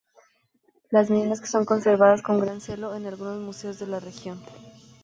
Las mismas que son conservadas con gran celo en algunos museos de la región.